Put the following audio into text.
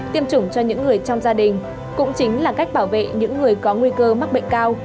tiêm chủng cho những người trong gia đình cũng chính là cách bảo vệ những người có nguy cơ mắc bệnh cao